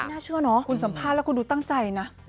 น่าเชื่อเนอะคุณสัมภาษณ์แล้วคุณดูตั้งใจนะ